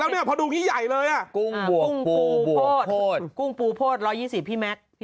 เนี่ยดูดินี้ไง